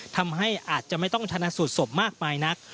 ทำให้อาจจะไม่ต้องชนะสูตรศพมากมายนัก